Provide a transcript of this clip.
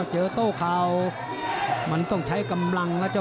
เจอโต้เขามันต้องใช้กำลัง